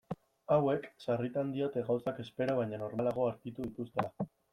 Hauek sarritan diote gauzak espero baino normalago aurkitu dituztela.